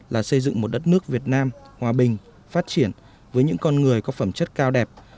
là xây dựng một đất nước việt nam hòa bình phát triển với những con người có phẩm chất cao đẹp